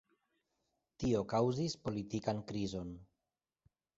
Tio kaŭzis politikan krizon.